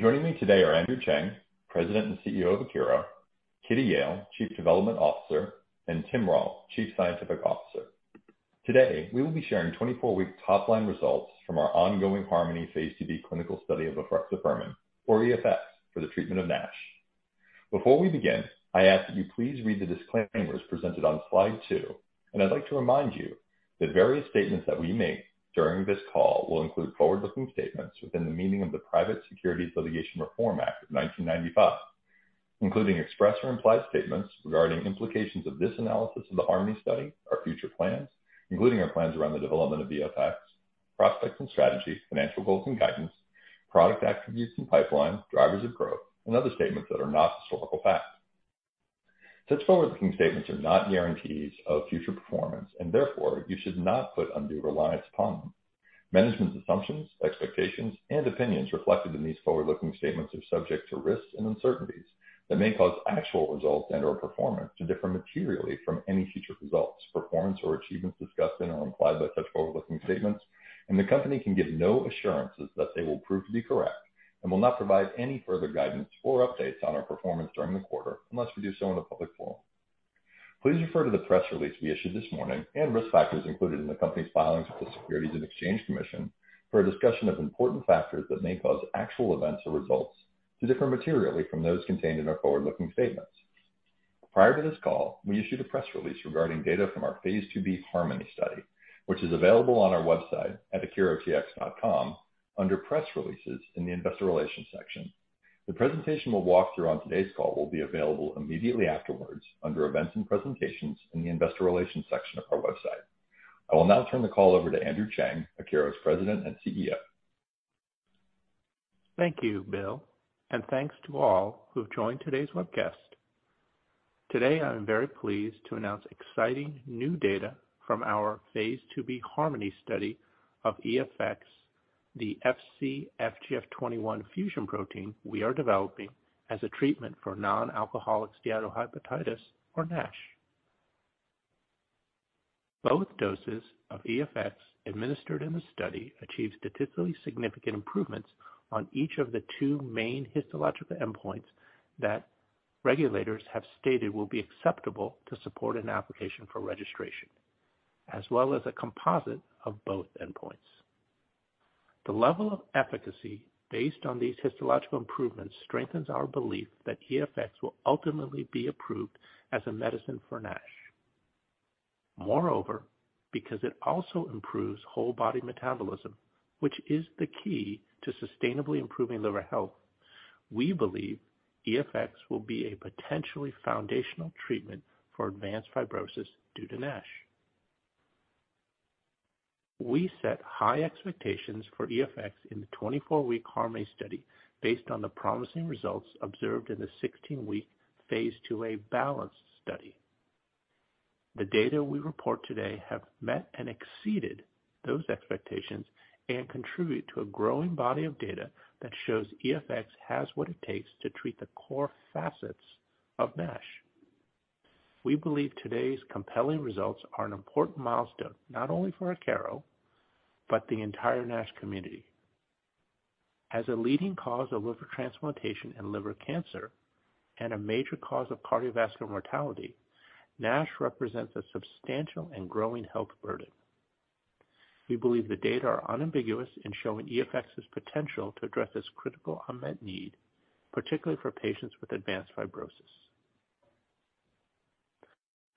Joining me today are Andrew Cheng, President and CEO of Akero, Kitty Yale, Chief Development Officer, and Tim Rolph, Chief Scientific Officer. Today, we will be sharing 24-week top-line results from our ongoing HARMONY Phase 2b clinical study of efruxifermin or EFX for the treatment of NASH. Before we begin, I ask that you please read the disclaimers presented on slide 2, and I'd like to remind you that various statements that we make during this call will include forward-looking statements within the meaning of the Private Securities Litigation Reform Act of 1995, including express or implied statements regarding implications of this analysis of the HARMONY study, our future plans, including our plans around the development of EFX, prospects and strategy, financial goals and guidance, product attributes and pipeline, drivers of growth, and other statements that are not historical facts. Such forward-looking statements are not guarantees of future performance, and therefore you should not put undue reliance upon them. Management assumptions, expectations, and opinions reflected in these forward-looking statements are subject to risks and uncertainties that may cause actual results and/or performance to differ materially from any future results, performance, or achievements discussed in or implied by such forward-looking statements, and the Company can give no assurances that they will prove to be correct and will not provide any further guidance or updates on our performance during the quarter, unless we do so in a public forum. Please refer to the press release we issued this morning and risk factors included in the Company's filings with the Securities and Exchange Commission for a discussion of important factors that may cause actual events or results to differ materially from those contained in our forward-looking statements. Prior to this call, we issued a press release regarding data from our Phase 2b HARMONY study, which is available on our website at akerotx.com under Press Releases in the Investor Relations section. The presentation we'll walk through on today's call will be available immediately afterwards under Events and Presentations in the Investor Relations section of our website. I will now turn the call over to Andrew Cheng, Akero's President and CEO. Thank you, Bill, and thanks to all who have joined today's webcast. Today, I am very pleased to announce exciting new data from our phase 2b HARMONY study of EFX, the Fc-FGF21 fusion protein we are developing as a treatment for non-alcoholic steatohepatitis, or NASH. Both doses of EFX administered in the study achieved statistically significant improvements on each of the two main histological endpoints that regulators have stated will be acceptable to support an application for registration, as well as a composite of both endpoints. The level of efficacy based on these histological improvements strengthens our belief that EFX will ultimately be approved as a medicine for NASH. Moreover, because it also improves whole body metabolism, which is the key to sustainably improving liver health, we believe EFX will be a potentially foundational treatment for advanced fibrosis due to NASH. We set high expectations for EFX in the 24-week HARMONY study based on the promising results observed in the 16-week Phase 2a BALANCED study. The data we report today have met and exceeded those expectations and contribute to a growing body of data that shows EFX has what it takes to treat the core facets of NASH. We believe today's compelling results are an important milestone, not only for Akero, but the entire NASH community. As a leading cause of liver transplantation and liver cancer, and a major cause of cardiovascular mortality, NASH represents a substantial and growing health burden. We believe the data are unambiguous in showing EFX's potential to address this critical unmet need, particularly for patients with advanced fibrosis.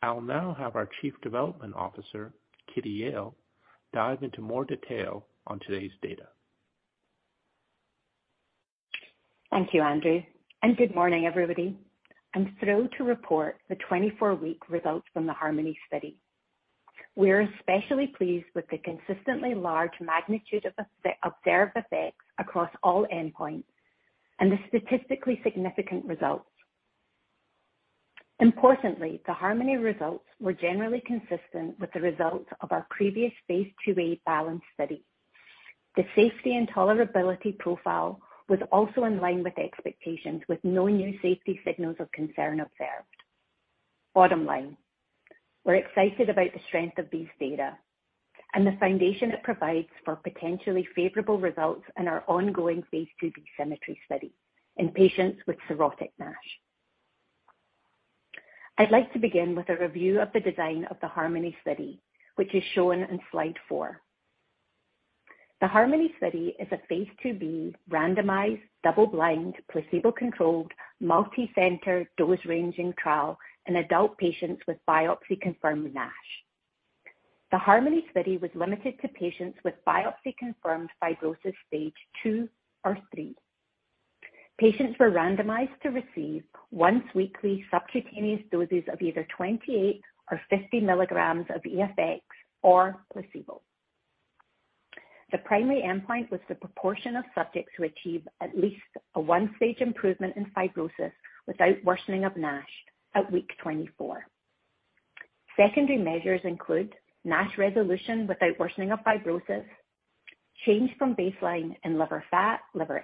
I'll now have our Chief Development Officer, Kitty Yale, dive into more detail on today's data. Thank you, Andrew, and good morning, everybody. I'm thrilled to report the 24-week results from the HARMONY study. We are especially pleased with the consistently large magnitude of observed effects across all endpoints and the statistically significant results. Importantly, the HARMONY results were generally consistent with the results of our previous Phase 2a BALANCED study. The safety and tolerability profile was also in line with expectations, with no new safety signals of concern observed. Bottom line, we're excited about the strength of these data and the foundation it provides for potentially favorable results in our ongoing Phase 2b SYMMETRY study in patients with cirrhotic NASH. I'd like to begin with a review of the design of the HARMONY study, which is shown on slide 4. The HARMONY study is a Phase 2b randomized, double-blind, placebo-controlled, multicenter dose-ranging trial in adult patients with biopsy-confirmed NASH. The HARMONY study was limited to patients with biopsy-confirmed fibrosis stage 2 or 3. Patients were randomized to receive once-weekly subcutaneous doses of either 28 mg or 50 mgs of EFX or placebo. The primary endpoint was the proportion of subjects who achieve at least a 1-stage improvement in fibrosis without worsening of NASH at week 24. Secondary measures include NASH resolution without worsening of fibrosis, change from baseline in liver fat, liver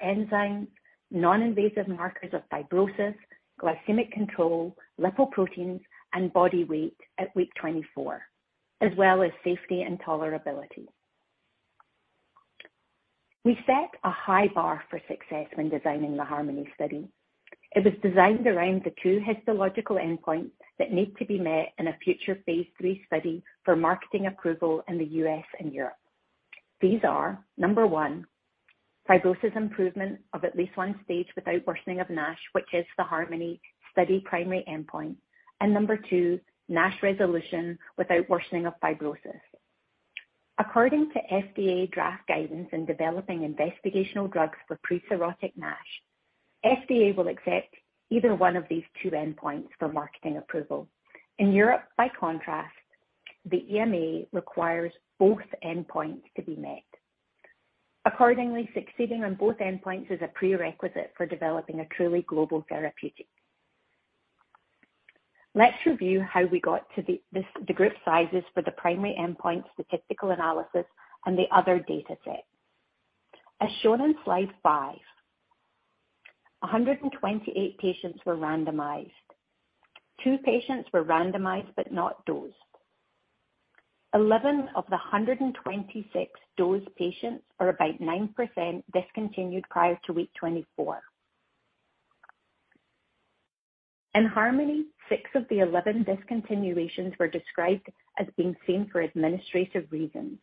enzyme, non-invasive markers of fibrosis, glycemic control, lipoproteins, and body weight at week 24. As well as safety and tolerability. We set a high bar for success when designing the HARMONY study. It was designed around the two histological endpoints that need to be met in a future phase 3 study for marketing approval in the U.S. and Europe. These are 1, fibrosis improvement of at least one stage without worsening of NASH, which is the HARMONY study primary endpoint, and 2, NASH resolution without worsening of fibrosis. According to FDA draft guidance in developing investigational drugs for pre-cirrhotic NASH, FDA will accept either one of these two endpoints for marketing approval. In Europe, by contrast, the EMA requires both endpoints to be met. Accordingly, succeeding on both endpoints is a prerequisite for developing a truly global therapeutic. Let's review how we got to the group sizes for the primary endpoint statistical analysis and the other data set. As shown on Slide 5, 128 patients were randomized. 2 patients were randomized but not dosed. 11 of the 126 dosed patients, or about 9%, discontinued prior to week 24. In HARMONY, six of the eleven discontinuations were described as being seen for administrative reasons.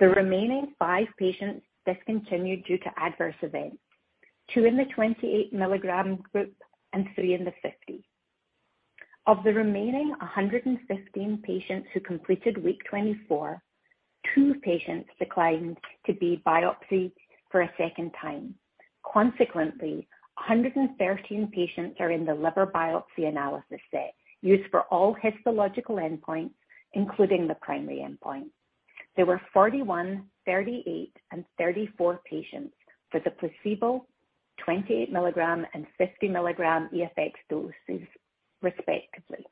The remaining five patients discontinued due to adverse events, two in the 28 mg group and three in the 50. Of the remaining 115 patients who completed week 24, two patients declined to be biopsied for a second time. Consequently, 113 patients are in the liver biopsy analysis set used for all histological endpoints, including the primary endpoint. There were 41, 38, and 34 patients for the placebo, 28 mg, and 50 mg EFX doses, respectively.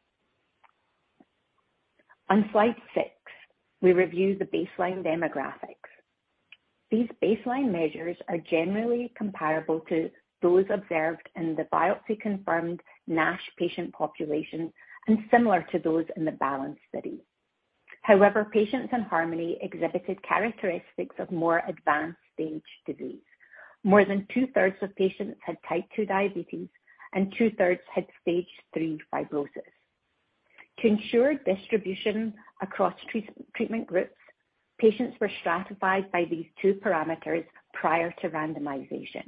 On Slide 6, we review the baseline demographics. These baseline measures are generally comparable to those observed in the biopsy-confirmed NASH patient population and similar to those in the BALANCED study. However, patients in HARMONY exhibited characteristics of more advanced stage disease. More than two-thirds of patients had type 2 diabetes, and two-thirds had stage 3 fibrosis. To ensure distribution across treatment groups, patients were stratified by these two parameters prior to randomization.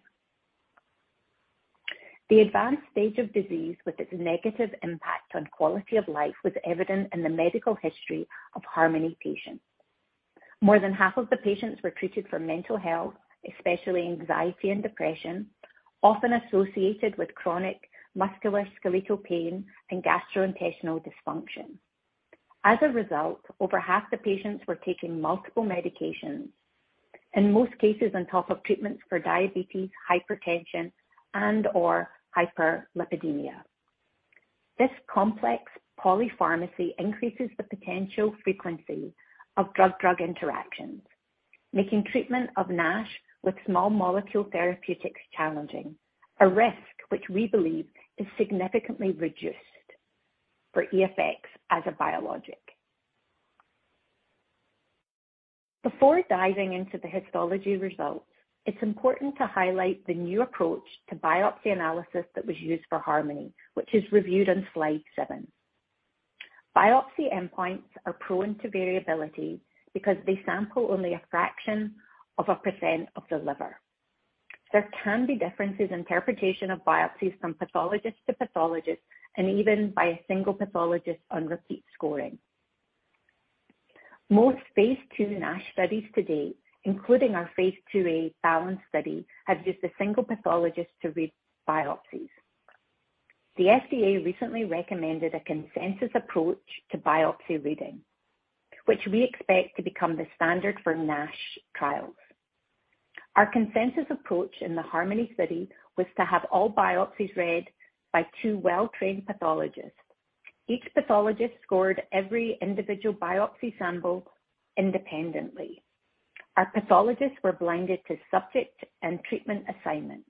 The advanced stage of disease, with its negative impact on quality of life, was evident in the medical history of HARMONY patients. More than half of the patients were treated for mental health, especially anxiety and depression, often associated with chronic musculoskeletal pain and gastrointestinal dysfunction. As a result, over half the patients were taking multiple medications, in most cases on top of treatments for diabetes, hypertension, and/or hyperlipidemia. This complex polypharmacy increases the potential frequency of drug-drug interactions, making treatment of NASH with small molecule therapeutics challenging, a risk which we believe is significantly reduced for EFX as a biologic. Before diving into the histology results, it's important to highlight the new approach to biopsy analysis that was used for HARMONY, which is reviewed on Slide 7. Biopsy endpoints are prone to variability because they sample only a fraction of a percent of the liver. There can be differences in interpretation of biopsies from pathologist to pathologist and even by a single pathologist on repeat scoring. Most Phase 2 NASH studies to date, including our Phase 2a BALANCED study, have used a single pathologist to read biopsies. The FDA recently recommended a consensus approach to biopsy reading, which we expect to become the standard for NASH trials. Our consensus approach in the HARMONY study was to have all biopsies read by two well-trained pathologists. Each pathologist scored every individual biopsy sample independently. Our pathologists were blinded to subject and treatment assignment.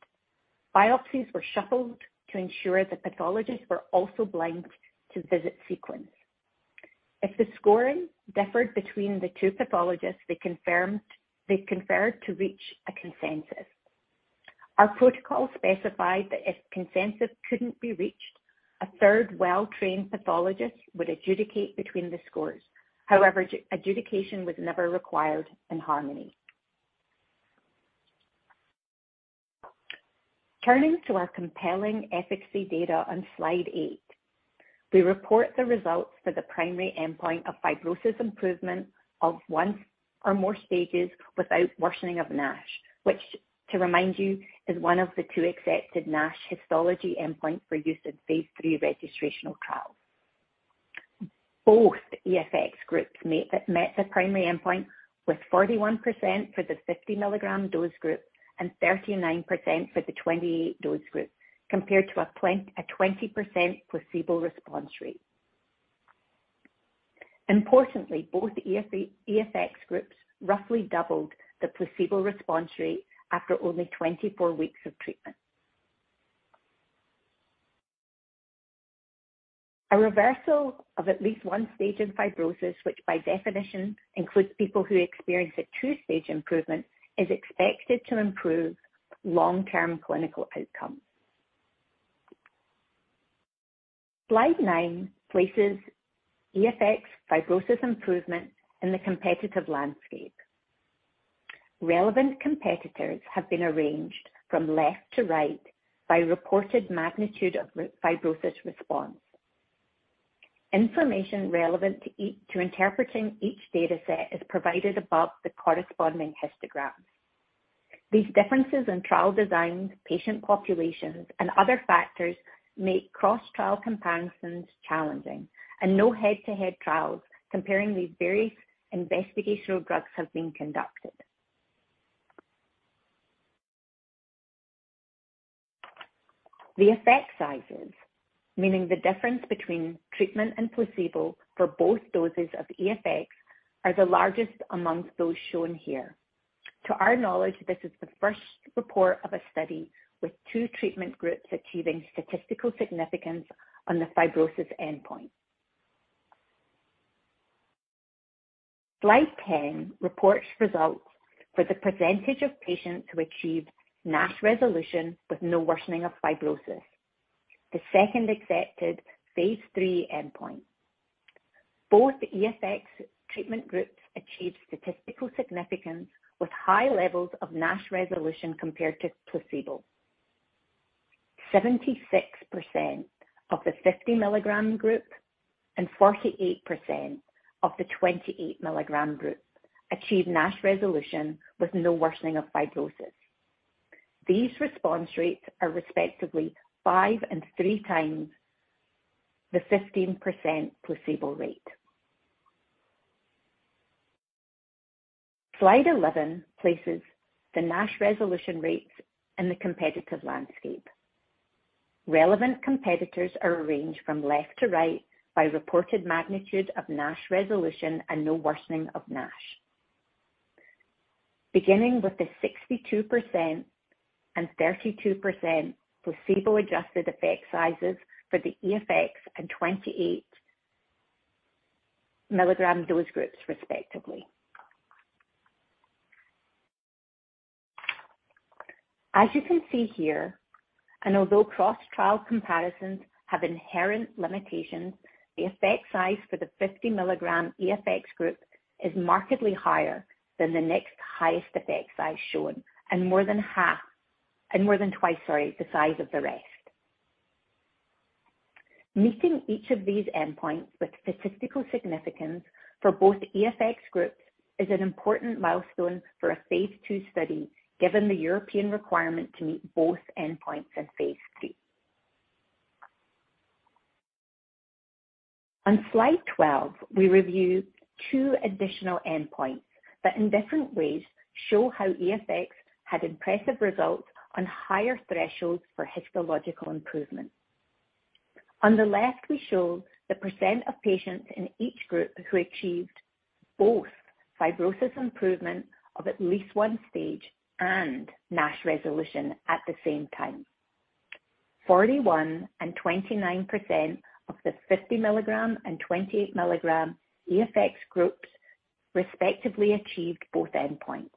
Biopsies were shuffled to ensure the pathologists were also blind to visit sequence. If the scoring differed between the two pathologists, they conferred to reach a consensus. Our protocol specified that if consensus couldn't be reached, a third well-trained pathologist would adjudicate between the scores. However, adjudication was never required in HARMONY. Turning to our compelling efficacy data on Slide 8, we report the results for the primary endpoint of fibrosis improvement of 1 or more stages without worsening of NASH, which, to remind you, is one of the two accepted NASH histology endpoints for use in phase 3 registrational trials. Both EFX groups met the primary endpoint with 41% for the 50 mg dose group and 39% for the 28 mg dose group, compared to a 20% placebo response rate. Importantly, both EFX groups roughly doubled the placebo response rate after only 24 weeks of treatment. A reversal of at least one stage of fibrosis, which by definition includes people who experience a two-stage improvement, is expected to improve long-term clinical outcomes. Slide 9 places EFX fibrosis improvement in the competitive landscape. Relevant competitors have been arranged from left to right by reported magnitude of fibrosis response. Information relevant to how to interpret each data set is provided above the corresponding histograms. These differences in trial designs, patient populations, and other factors make cross-trial comparisons challenging, and no head-to-head trials comparing these various investigational drugs have been conducted. The effect sizes, meaning the difference between treatment and placebo for both doses of EFX, are the largest among those shown here. To our knowledge, this is the first report of a study with two treatment groups achieving statistical significance on the fibrosis endpoint. Slide 10 reports results for the percentage of patients who achieved NASH resolution with no worsening of fibrosis. The second accepted phase 3 endpoint. Both EFX treatment groups achieved statistical significance with high levels of NASH resolution compared to placebo. 76% of the 50-mg group and 48% of the 28-mg group achieved NASH resolution with no worsening of fibrosis. These response rates are respectively 5x and 3x the 15% placebo rate. Slide 11 places the NASH resolution rates in the competitive landscape. Relevant competitors are arranged from left to right by reported magnitude of NASH resolution and no worsening of NASH. Beginning with the 62% and 32% placebo-adjusted effect sizes for the EFX and 28-mg dose groups respectively. As you can see here, although cross-trial comparisons have inherent limitations, the effect size for the 50-mg EFX group is markedly higher than the next highest effect size shown, and more than twice, sorry, the size of the rest. Meeting each of these endpoints with statistical significance for both EFX groups is an important milestone for a phase 2 study, given the European requirement to meet both endpoints in phase 3. On slide 12, we review two additional endpoints that in different ways show how EFX had impressive results on higher thresholds for histological improvement. On the left, we show the percent of patients in each group who achieved both fibrosis improvement of at least one stage and NASH resolution at the same time. 41% and 29% of the 50 mg and 28 mg EFX groups respectively achieved both endpoints,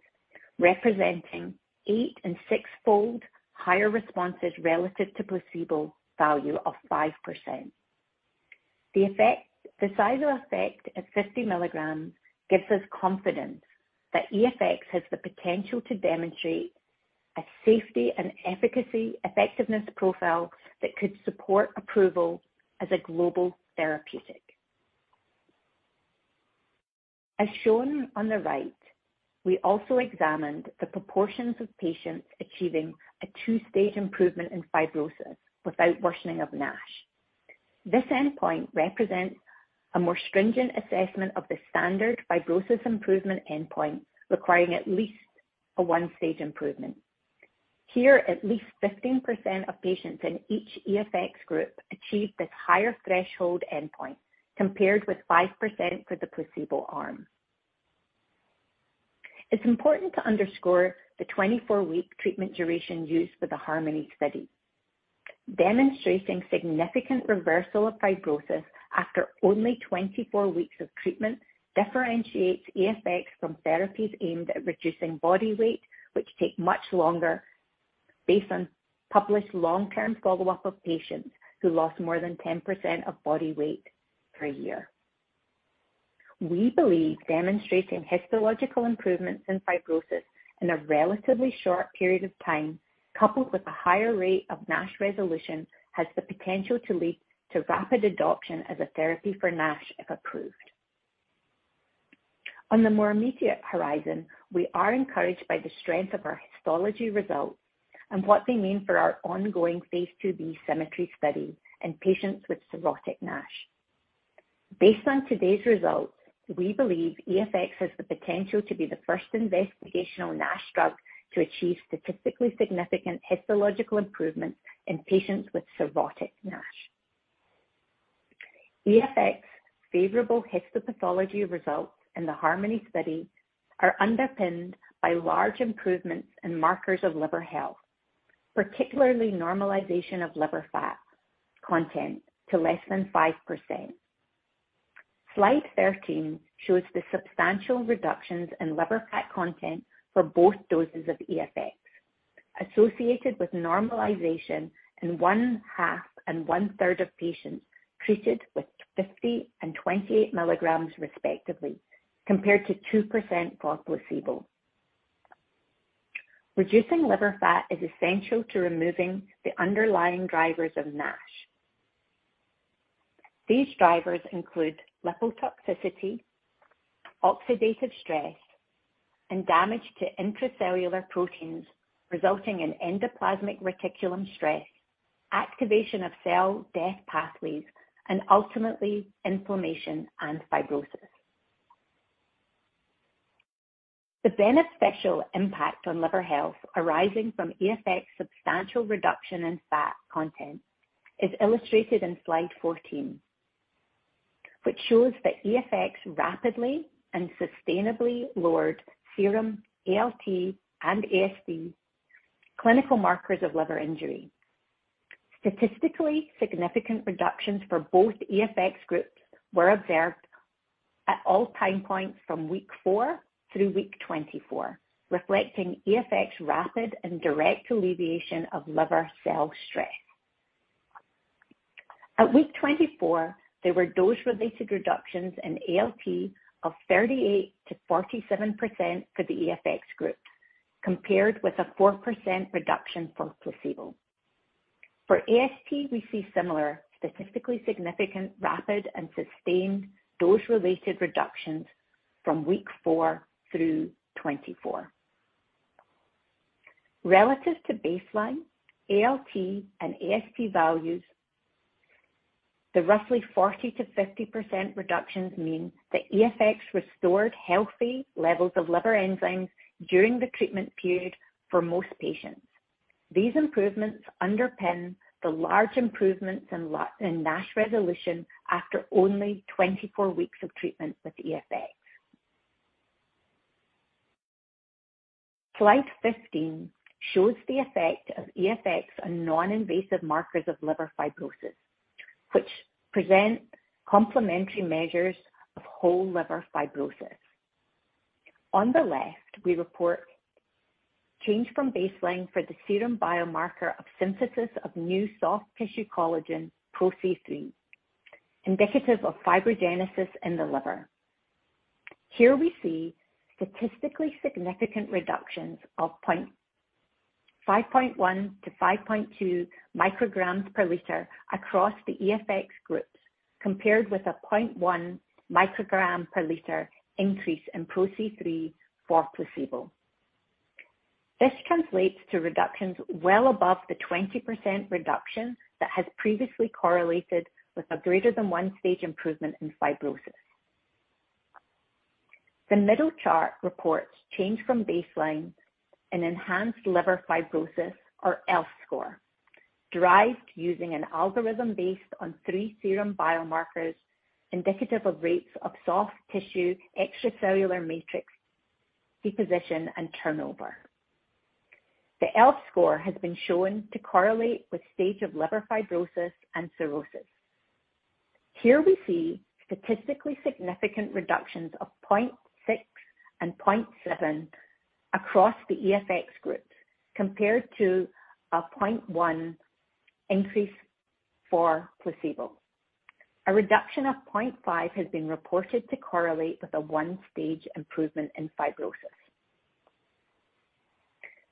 representing 8- and 6-fold higher responses relative to placebo value of 5%. The size of effect at 50 mgs gives us confidence that EFX has the potential to demonstrate a safety and efficacy effectiveness profile that could support approval as a global therapeutic. As shown on the right, we also examined the proportions of patients achieving a 2-stage improvement in fibrosis without worsening of NASH. This endpoint represents a more stringent assessment of the standard fibrosis improvement endpoint, requiring at least a 1-stage improvement. Here, at least 15% of patients in each EFX group achieved this higher threshold endpoint, compared with 5% for the placebo arm. It's important to underscore the 24-week treatment duration used for the HARMONY study. Demonstrating significant reversal of fibrosis after only 24 weeks of treatment differentiates EFX from therapies aimed at reducing body weight, which take much longer based on published long-term follow-up of patients who lost more than 10% of body weight per year. We believe demonstrating histological improvements in fibrosis in a relatively short period of time, coupled with a higher rate of NASH resolution, has the potential to lead to rapid adoption as a therapy for NASH if approved. On the more immediate horizon, we are encouraged by the strength of our histology results and what they mean for our ongoing Phase 2b SYMMETRY study in patients with cirrhotic NASH. Based on today's results, we believe EFX has the potential to be the first investigational NASH drug to achieve statistically significant histological improvement in patients with cirrhotic NASH. EFX favorable histopathology results in the HARMONY study are underpinned by large improvements in markers of liver health, particularly normalization of liver fat content to less than 5%. Slide 13 shows the substantial reductions in liver fat content for both doses of EFX associated with normalization in one-half and one-third of patients treated with 50 mg and 28 mg, respectively, compared to 2% for placebo. Reducing liver fat is essential to removing the underlying drivers of NASH. These drivers include lipotoxicity, oxidative stress, and damage to intracellular proteins, resulting in endoplasmic reticulum stress, activation of cell death pathways, and ultimately inflammation and fibrosis. The beneficial impact on liver health arising from EFX substantial reduction in fat content is illustrated in slide 14, which shows that EFX rapidly and sustainably lowered serum ALT and AST clinical markers of liver injury. Statistically significant reductions for both EFX groups were observed at all time points from week 4 through week 24, reflecting EFX rapid and direct alleviation of liver cell stress. At week 24, there were dose-related reductions in ALT of 38%-47% for the EFX group, compared with a 4% reduction for placebo. For AST, we see similar statistically significant rapid and sustained dose-related reductions from week 4 through 24. Relative to baseline ALT and AST values, the roughly 40%-50% reductions mean that EFX restored healthy levels of liver enzymes during the treatment period for most patients. These improvements underpin the large improvements in NASH resolution after only 24 weeks of treatment with EFX. Slide 15 shows the effect of EFX on non-invasive markers of liver fibrosis, which present complementary measures of whole liver fibrosis. On the left, we report change from baseline for the serum biomarker of synthesis of new soft tissue collagen, Pro-C3, indicative of fibrogenesis in the liver. Here we see statistically significant reductions of 5.1-5.2 micrograms per liter across the EFX groups, compared with a 0.1 microgram per liter increase in Pro-C3 for placebo. This translates to reductions well above the 20% reduction that has previously correlated with a greater than one-stage improvement in fibrosis. The middle chart reports change from baseline in enhanced liver fibrosis, or ELF score, derived using an algorithm based on three serum biomarkers indicative of rates of soft tissue extracellular matrix deposition and turnover. The ELF score has been shown to correlate with stage of liver fibrosis and cirrhosis. Here we see statistically significant reductions of 0.6 and 0.7 across the EFX group compared to a 0.1 increase for placebo. A reduction of 0.5 has been reported to correlate with a one-stage improvement in fibrosis.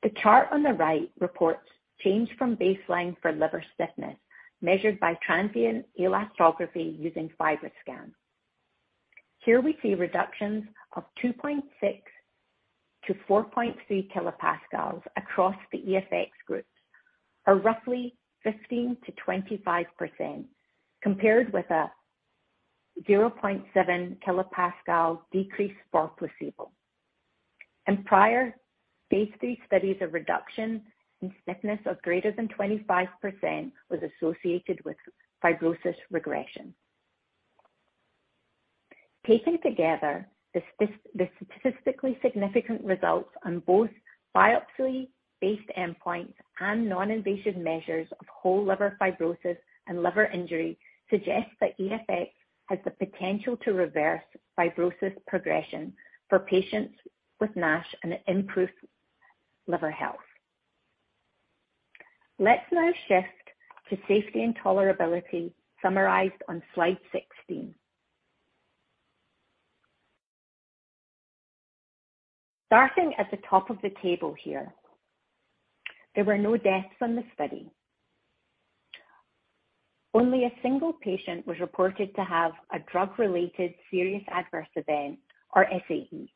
The chart on the right reports change from baseline for liver stiffness measured by transient elastography using FibroScan. Here we see reductions of 2.6-4.3 kilopascals across the EFX groups, or roughly 15%-25%, compared with a 0.7 kilopascals decrease for placebo. In prior phase 3 studies of reduction in stiffness of greater than 25% was associated with fibrosis regression. Taken together, the statistically significant results on both biopsy-based endpoints and non-invasive measures of whole liver fibrosis and liver injury suggest that EFX has the potential to reverse fibrosis progression for patients with NASH and improve liver health. Let's now shift to safety and tolerability summarized on slide 16. Starting at the top of the table here, there were no deaths on the study. Only a single patient was reported to have a drug-related serious adverse event, or SAE.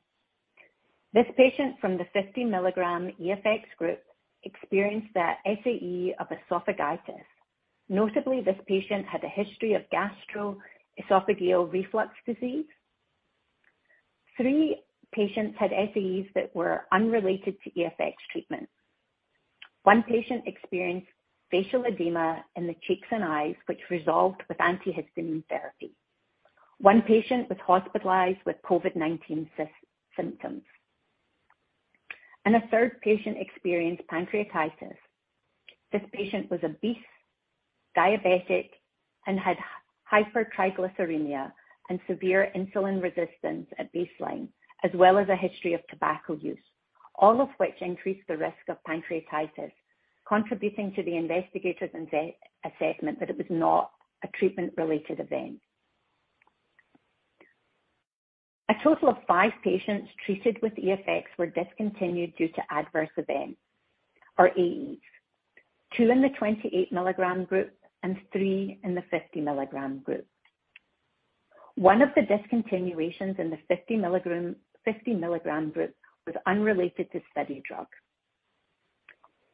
This patient from the 50-mg EFX group experienced a SAE of esophagitis. Notably, this patient had a history of gastroesophageal reflux disease. 3 patients had SAEs that were unrelated to EFX treatments. 1 patient experienced facial edema in the cheeks and eyes, which resolved with antihistamine therapy. One patient was hospitalized with COVID-19 symptoms. A third patient experienced pancreatitis. This patient was obese, diabetic, and had hypertriglyceridemia and severe insulin resistance at baseline, as well as a history of tobacco use, all of which increase the risk of pancreatitis, contributing to the investigator's assessment that it was not a treatment-related event. A total of five patients treated with EFX were discontinued due to adverse events or AEs. Two in the 28 mg group and three in the 50 mg group. One of the discontinuations in the 50 mg group was unrelated to study drug.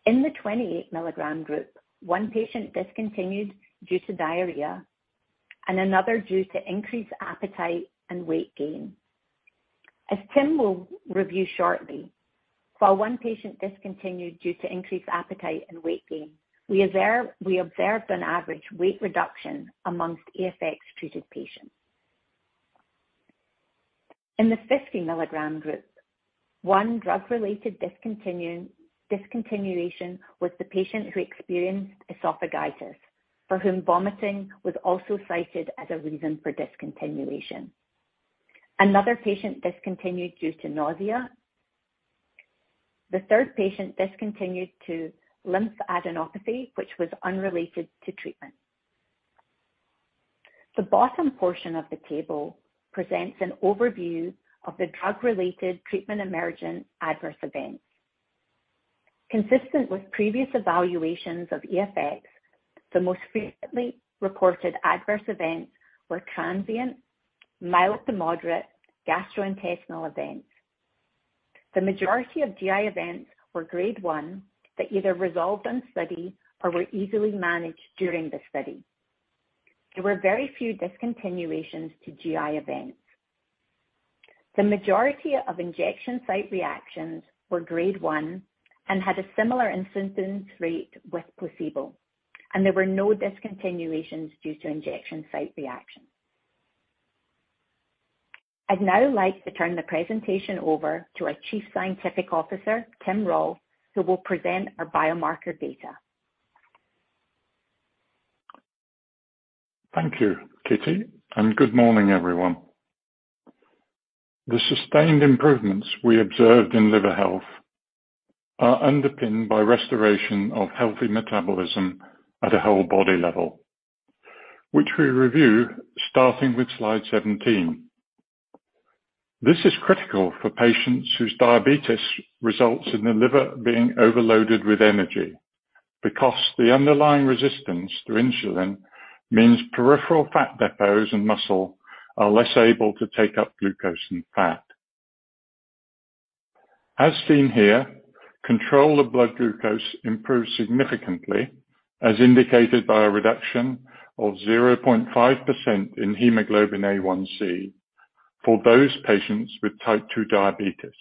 In the 28 mg group, one patient discontinued due to diarrhea and another due to increased appetite and weight gain. As Tim will review shortly, while one patient discontinued due to increased appetite and weight gain, we observed an average weight reduction amongst EFX-treated patients. In the 50 mg group, 1 drug-related discontinuation was the patient who experienced esophagitis, for whom vomiting was also cited as a reason for discontinuation. Another patient discontinued due to nausea. The third patient discontinued due to lymphadenopathy, which was unrelated to treatment. The bottom portion of the table presents an overview of the drug-related treatment-emergent adverse events. Consistent with previous evaluations of EFX, the most frequently reported adverse events were transient, mild to moderate gastrointestinal events. The majority of GI events were grade 1 that either resolved on study or were easily managed during the study. There were very few discontinuations due to GI events. The majority of injection site reactions were grade 1 and had a similar incidence rate with placebo, and there were no discontinuations due to injection site reaction. I'd now like to turn the presentation over to our Chief Scientific Officer, Tim Rolph, who will present our biomarker data. Thank you, Kitty, and good morning, everyone. The sustained improvements we observed in liver health are underpinned by restoration of healthy metabolism at a whole body level, which we review starting with slide 17. This is critical for patients whose diabetes results in their liver being overloaded with energy, because the underlying resistance to insulin means peripheral fat depots and muscle are less able to take up glucose and fat. As seen here, control of blood glucose improves significantly, as indicated by a reduction of 0.5% in hemoglobin A1c for those patients with type 2 diabetes.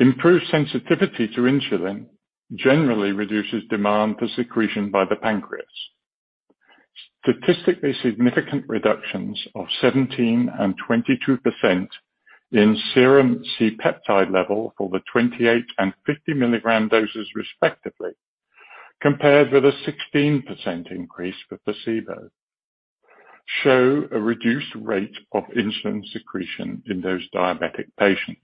Improved sensitivity to insulin generally reduces demand for secretion by the pancreas. Statistically significant reductions of 17% and 22% in serum C-peptide level for the 28-mg and 50-mg doses respectively, compared with a 16% increase for placebo, show a reduced rate of insulin secretion in those diabetic patients.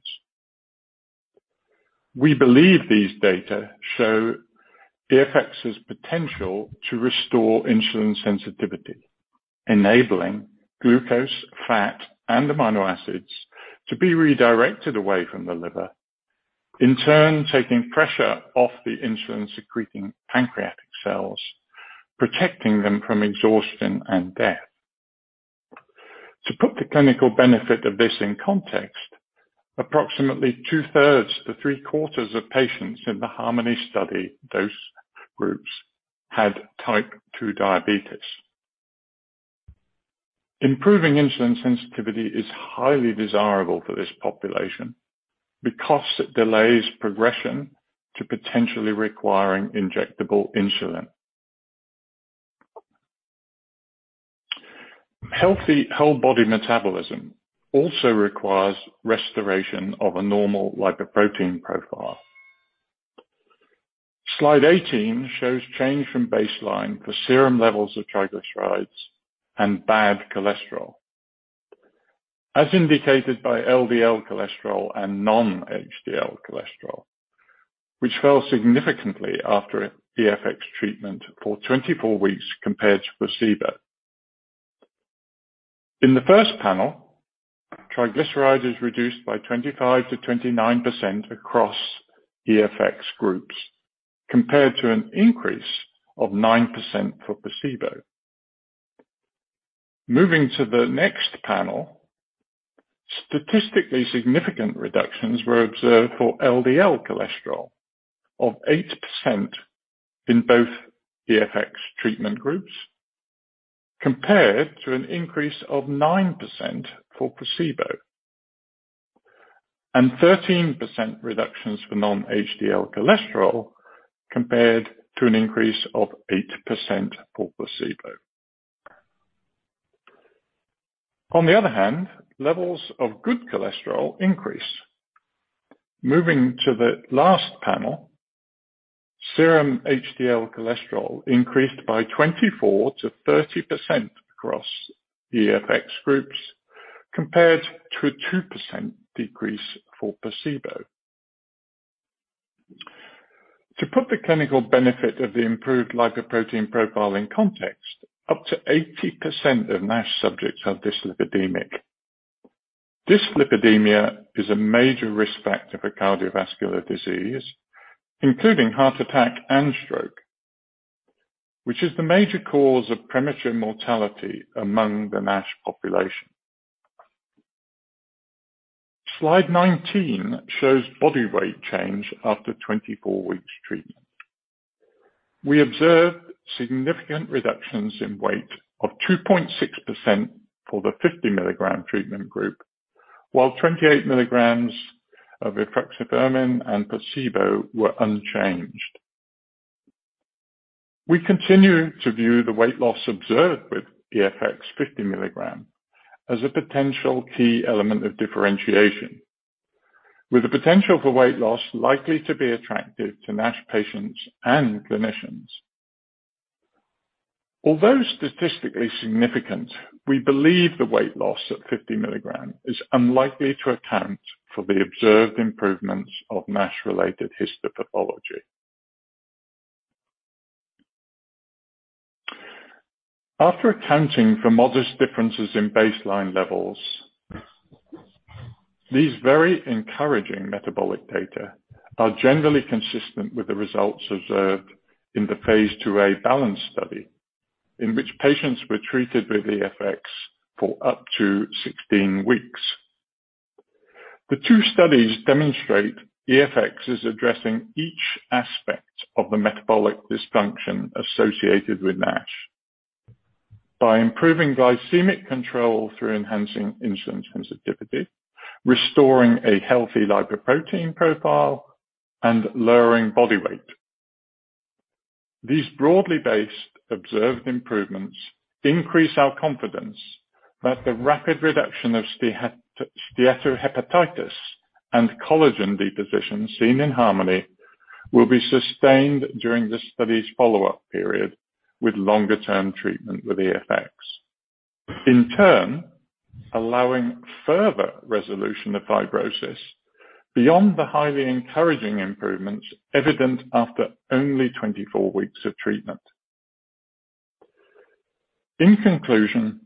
We believe these data show EFX's potential to restore insulin sensitivity, enabling glucose, fat, and amino acids to be redirected away from the liver. In turn, taking pressure off the insulin-secreting pancreatic cells, protecting them from exhaustion and death. To put the clinical benefit of this in context, approximately two-thirds to three-quarters of patients in the HARMONY study dose groups had type 2 diabetes. Improving insulin sensitivity is highly desirable for this population because it delays progression to potentially requiring injectable insulin. Healthy whole body metabolism also requires restoration of a normal lipoprotein profile. Slide 18 shows change from baseline for serum levels of triglycerides and bad cholesterol, as indicated by LDL cholesterol and non-HDL cholesterol, which fell significantly after EFX treatment for 24 weeks compared to placebo. In the first panel, triglycerides reduced by 25%-29% across EFX groups, compared to an increase of 9% for placebo. Moving to the next panel, statistically significant reductions were observed for LDL cholesterol of 8% in both EFX treatment groups. Compared to an increase of 9% for placebo and 13% reductions for non-HDL cholesterol compared to an increase of 8% for placebo. On the other hand, levels of good cholesterol increase. Moving to the last panel, serum HDL cholesterol increased by 24%-30% across the EFX groups, compared to a 2% decrease for placebo. To put the clinical benefit of the improved lipoprotein profile in context, up to 80% of NASH subjects are dyslipidemic. Dyslipidemia is a major risk factor for cardiovascular disease, including heart attack and stroke, which is the major cause of premature mortality among the NASH population. Slide 19 shows body weight change after 24 weeks treatment. We observed significant reductions in weight of 2.6% for the 50 mg treatment group, while 28 mg of efruxifermin and placebo were unchanged. We continue to view the weight loss observed with EFX 50 mg as a potential key element of differentiation, with the potential for weight loss likely to be attractive to NASH patients and clinicians. Although statistically significant, we believe the weight loss at 50 mg is unlikely to account for the observed improvements of NASH-related histopathology. After accounting for modest differences in baseline levels, these very encouraging metabolic data are generally consistent with the results observed in the Phase 2a BALANCED study, in which patients were treated with EFX for up to 16 weeks. The two studies demonstrate EFX is addressing each aspect of the metabolic dysfunction associated with NASH by improving glycemic control through enhancing insulin sensitivity, restoring a healthy lipoprotein profile and lowering body weight. These broadly based observed improvements increase our confidence that the rapid reduction of steatohepatitis and collagen deposition seen in HARMONY will be sustained during the study's follow-up period with longer-term treatment with EFX. In turn, allowing further resolution of fibrosis beyond the highly encouraging improvements evident after only 24 weeks of treatment. In conclusion,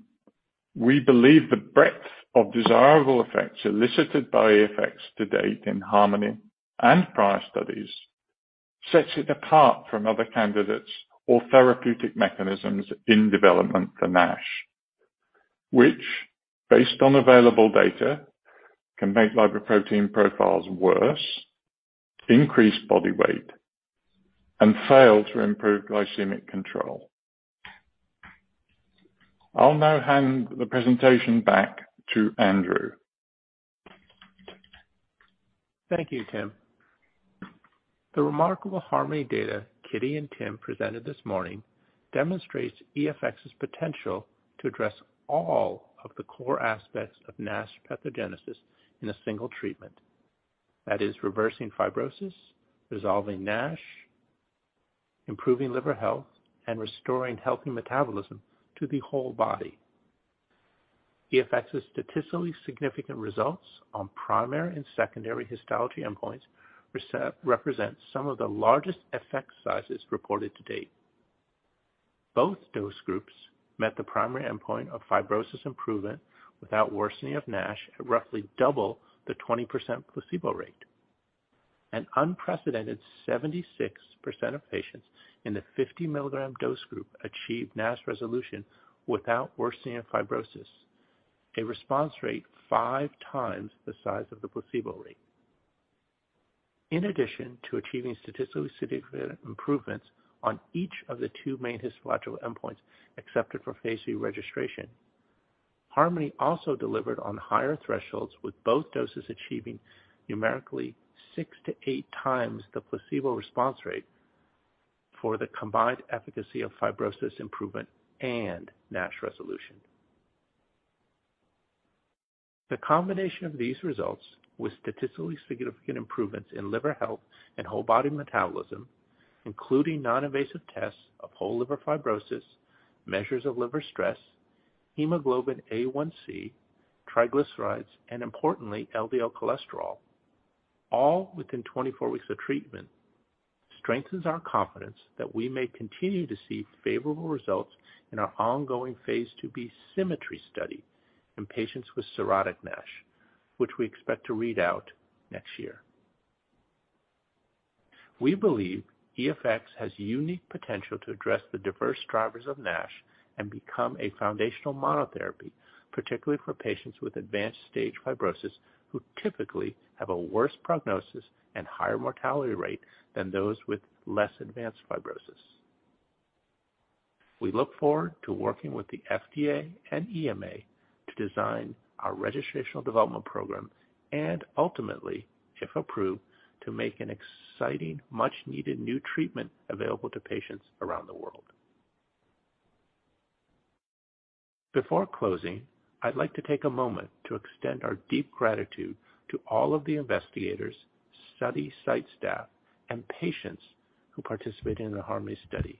we believe the breadth of desirable effects elicited by EFX to date in HARMONY and prior studies sets it apart from other candidates or therapeutic mechanisms in development for NASH, which, based on available data, can make lipoprotein profiles worse, increase body weight, and fail to improve glycemic control. I'll now hand the presentation back to Andrew. Thank you, Tim. The remarkable HARMONY data Kitty and Tim presented this morning demonstrates EFX's potential to address all of the core aspects of NASH pathogenesis in a single treatment. That is, reversing fibrosis, resolving NASH, improving liver health, and restoring healthy metabolism to the whole body. EFX's statistically significant results on primary and secondary histology endpoints represent some of the largest effect sizes reported to date. Both dose groups met the primary endpoint of fibrosis improvement without worsening of NASH at roughly double the 20% placebo rate. An unprecedented 76% of patients in the 50 mg dose group achieved NASH resolution without worsening of fibrosis, a response rate five times the size of the placebo rate. In addition to achieving statistically significant improvements on each of the two main histological endpoints accepted for phase 3 registration, HARMONY also delivered on higher thresholds with both doses achieving numerically 6x-8x the placebo response rate for the combined efficacy of fibrosis improvement and NASH resolution. The combination of these results with statistically significant improvements in liver health and whole body metabolism, including non-invasive tests of whole liver fibrosis, measures of liver stress, hemoglobin A1c, triglycerides, and importantly, LDL cholesterol, all within 24 weeks of treatment, strengthens our confidence that we may continue to see favorable results in our ongoing phase 2b SYMMETRY study in patients with cirrhotic NASH, which we expect to read out next year. We believe EFX has unique potential to address the diverse drivers of NASH and become a foundational monotherapy, particularly for patients with advanced stage fibrosis who typically have a worse prognosis and higher mortality rate than those with less advanced fibrosis. We look forward to working with the FDA and EMA to design our registrational development program and ultimately, if approved, to make an exciting, much-needed new treatment available to patients around the world. Before closing, I'd like to take a moment to extend our deep gratitude to all of the investigators, study site staff, and patients who participated in the HARMONY study.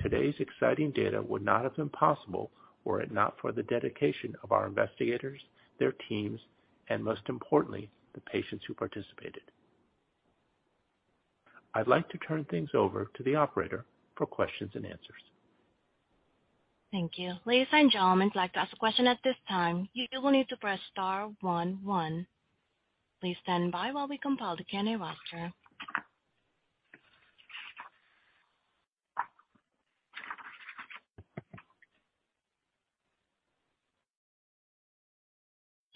Today's exciting data would not have been possible were it not for the dedication of our investigators, their teams, and most importantly, the patients who participated. I'd like to turn things over to the operator for questions and answers. Thank you. Ladies and gentlemen, if you'd like to ask a question at this time, you will need to press star one. Please stand by while we compile the Q&A roster.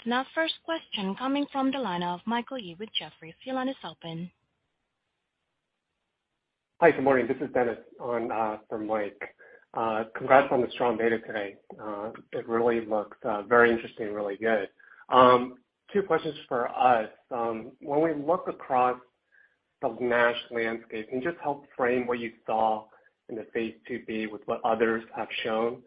Now, first question coming from the line of Michael Yee with Jefferies. Your line is open. Hi, good morning. This is Dennis from Mike. Congrats on the strong data today. It really looks very interesting, really good. Two questions for us. When we look across the NASH landscape, can you just help frame what you saw in the Phase 2b with what others have shown?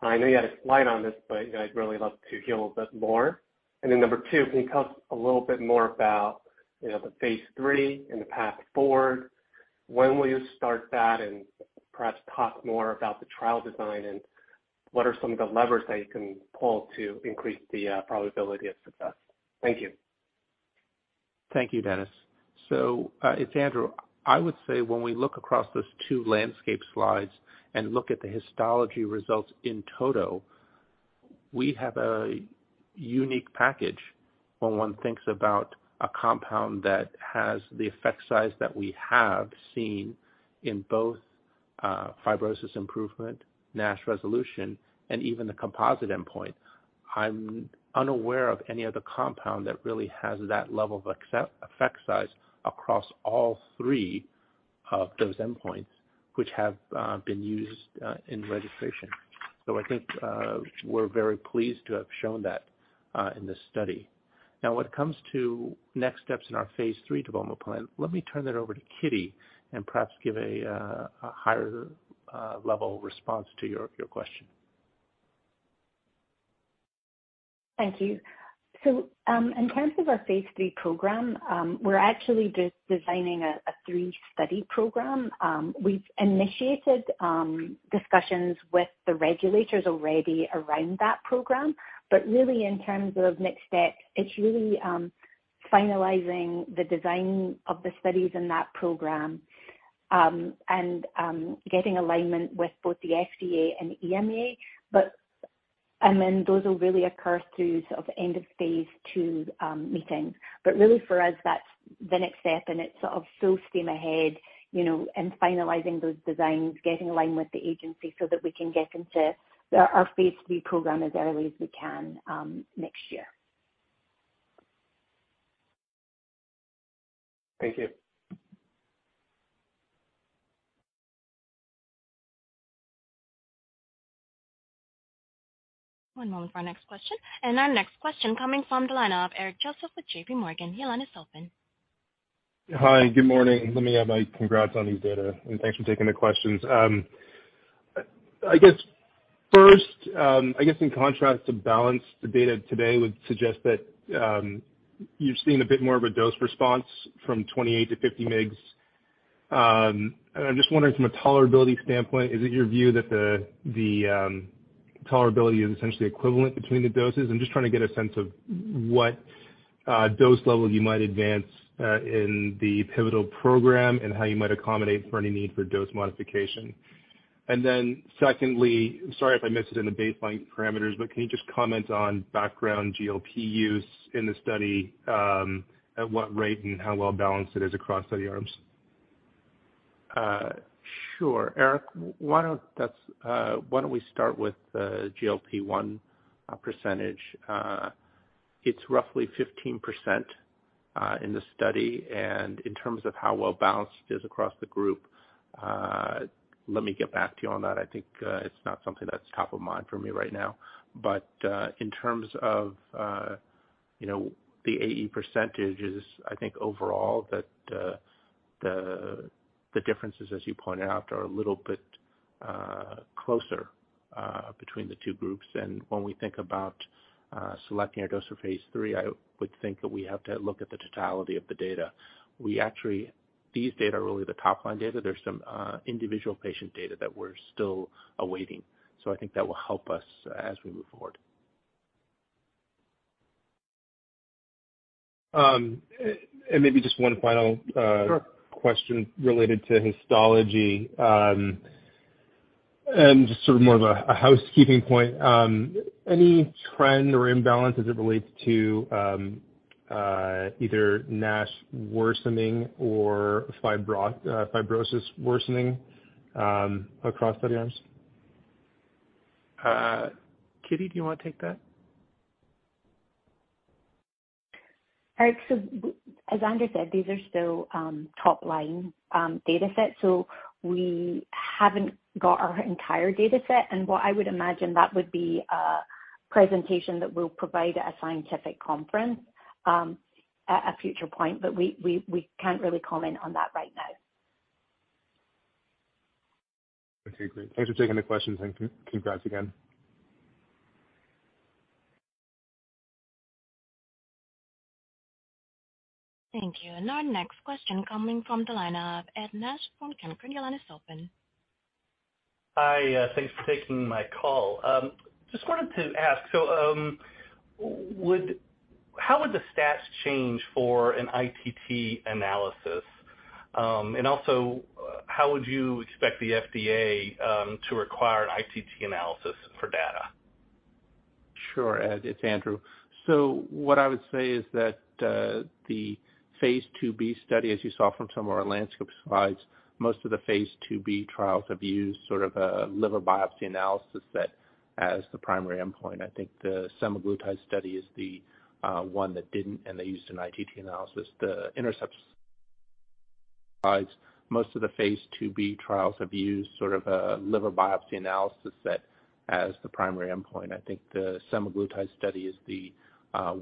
I know you had a slide on this, but I'd really love to hear a little bit more. Number two, can you tell us a little bit more about, you know, the phase 3 and the path forward? When will you start that? Perhaps talk more about the trial design and what are some of the levers that you can pull to increase the probability of success? Thank you. Thank you, Dennis. It's Andrew. I would say when we look across those two landscape slides and look at the histology results in total, we have a unique package when one thinks about a compound that has the effect size that we have seen in both, fibrosis improvement, NASH resolution, and even the composite endpoint. I'm unaware of any other compound that really has that level of effect size across all three of those endpoints which have been used in registration. I think we're very pleased to have shown that in this study. Now, when it comes to next steps in our phase 3 development plan, let me turn that over to Kitty and perhaps give a higher level response to your question. Thank you. In terms of our phase 3 program, we're actually designing a 3-study program. We've initiated discussions with the regulators already around that program. Really, in terms of next steps, it's really finalizing the design of the studies in that program and getting alignment with both the FDA and the EMA. Those will really occur through sort of end-of-phase 2 meetings. Really for us, that's the next step, and it's sort of full steam ahead, you know, and finalizing those designs, getting aligned with the agency so that we can get into our phase 3 program as early as we can next year. Thank you. One moment for our next question. Our next question coming from the line of Eric Joseph with J.P. Morgan. Your line is open. Hi, good morning. Let me add my congrats on these data, and thanks for taking the questions. I guess first, in contrast to BALANCED, the data today would suggest that you're seeing a bit more of a dose response from 28 mg to 50 mgs. I'm just wondering from a tolerability standpoint, is it your view that the tolerability is essentially equivalent between the doses? I'm just trying to get a sense of what dose level you might advance in the pivotal program and how you might accommodate for any need for dose modification. Then secondly, sorry if I missed it in the baseline parameters, but can you just comment on background GLP-1 use in the study, at what rate and how well balanced it is across study arms? Sure. Eric, why don't we start with the GLP-1 percentage? It's roughly 15% in the study. In terms of how well balanced it is across the group, let me get back to you on that. I think it's not something that's top of mind for me right now. In terms of you know, the AE percentages, I think overall that the differences, as you pointed out, are a little bit closer between the two groups. When we think about selecting our dose of phase three, I would think that we have to look at the totality of the data. We actually. These data are really the top-line data. There's some individual patient data that we're still awaiting, so I think that will help us as we move forward. Maybe just one final. Sure. A question related to histology. Just sort of more of a housekeeping point. Any trend or imbalance as it relates to either NASH worsening or fibrosis worsening across study arms? Kitty, do you wanna take that? Eric Joseph, as Andrew Cheng said, these are still top line datasets, so we haven't got our entire dataset. What I would imagine that would be a presentation that we'll provide at a scientific conference at a future point, but we can't really comment on that right now. Okay, great. Thanks for taking the questions, and congrats again. Thank you. Our next question coming from the line of Ed Nash from Canaccord Genuity. Your line is open. Hi, thanks for taking my call. Just wanted to ask how would the stats change for an ITT analysis? And also, how would you expect the FDA to require an ITT analysis for data? Sure, Ed, it's Andrew. What I would say is that the Phase 2b study, as you saw from some of our landscape slides, most of the Phase 2b trials have used sort of a liver biopsy analysis set as the primary endpoint. I think the semaglutide study is the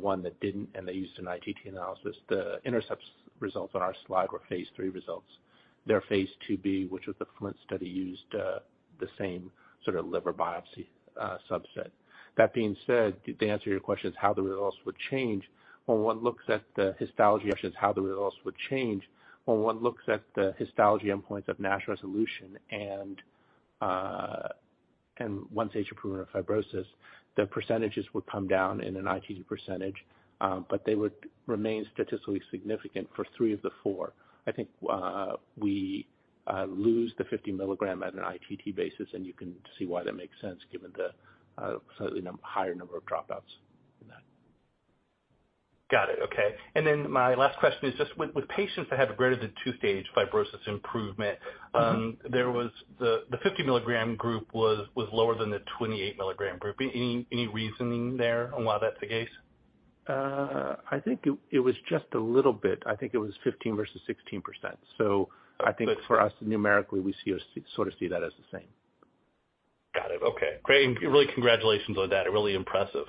one that didn't, and they used an ITT analysis. The Intercept's results on our slide were phase 3 results. Their Phase 2b, which was the FLINT study, used the same sort of liver biopsy subset. That being said, to answer your questions, how the results would change when one looks at the histology endpoints of NASH resolution and one stage improvement of fibrosis, the percentages would come down in an ITT percentage, but they would remain statistically significant for three of the four. I think we lose the 50 mg at an ITT basis, and you can see why that makes sense given the slightly higher number of dropouts in that. Got it, okay. My last question is just with patients that have a greater than 2-stage fibrosis improvement? Mm-hmm. there was the 50 mg group was lower than the 28 mg group. Any reasoning there on why that's the case? I think it was just a little bit. I think it was 15 versus 16%. I think for us, numerically, we sort of see that as the same. Got it. Okay. Great, and really congratulations on that. Really impressive.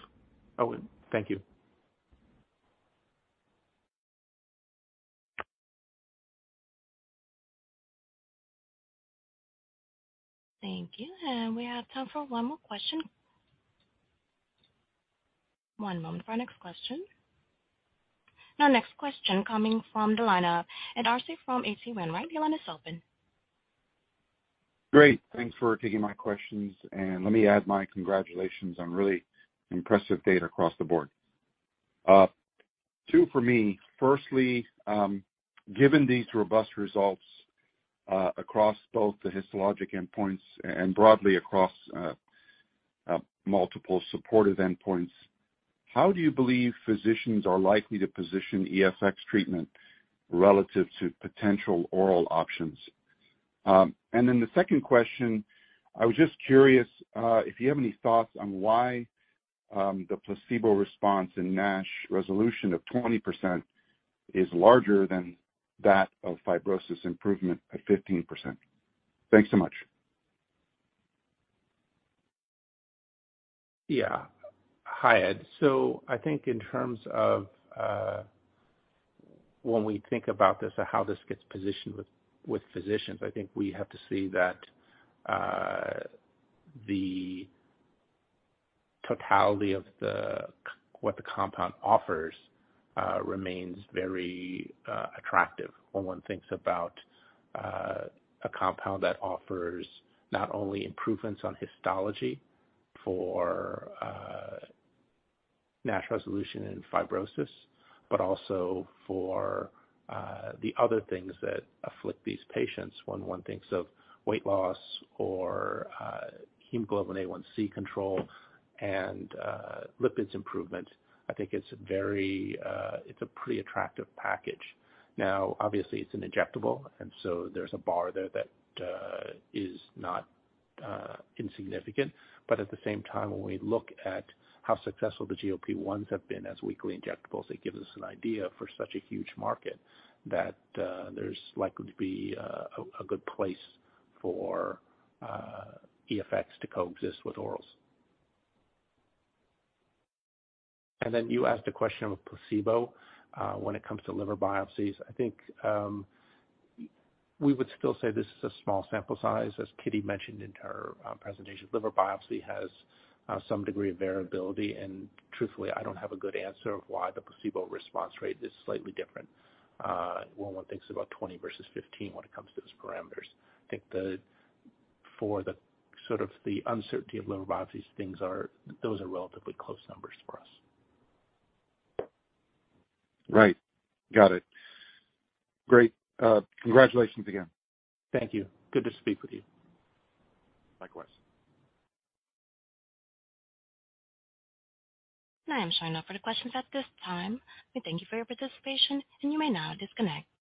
Oh, thank you. Thank you. We have time for one more question. One moment for our next question. Our next question coming from the line of Ed Arce from H.C. Wainwright. Your line is open. Great. Thanks for taking my questions, and let me add my congratulations on really impressive data across the board. Two for me. Firstly, given these robust results, across both the histologic endpoints and broadly across multiple supportive endpoints, how do you believe physicians are likely to position EFX treatment relative to potential oral options? The second question, I was just curious, if you have any thoughts on why the placebo response in NASH resolution of 20% is larger than that of fibrosis improvement at 15%. Thanks so much. Yeah. Hi, Ed. I think in terms of when we think about this or how this gets positioned with physicians, I think we have to see that the totality of what the compound offers remains very attractive. When one thinks about a compound that offers not only improvements on histology for NASH resolution and fibrosis, but also for the other things that afflict these patients. When one thinks of weight loss or hemoglobin A1c control and lipids improvement, I think it's very attractive. It's a pretty attractive package. Now, obviously, it's an injectable, and so there's a bar there that is not insignificant. At the same time, when we look at how successful the GLP-1s have been as weekly injectables, it gives us an idea for such a huge market that, there's likely to be a good place for EFX to coexist with orals. Then you asked a question of placebo, when it comes to liver biopsies. I think, we would still say this is a small sample size. As Kitty mentioned in her presentation, liver biopsy has some degree of variability, and truthfully, I don't have a good answer of why the placebo response rate is slightly different, when one thinks about 20 versus 15 when it comes to those parameters. I think, for the sort of uncertainty of liver biopsies, those are relatively close numbers for us. Right. Got it. Great. Congratulations again. Thank you. Good to speak with you. Likewise. Now I'm showing no further questions at this time. We thank you for your participation, and you may now disconnect.